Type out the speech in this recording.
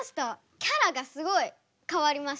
キャラがすごい変わりました。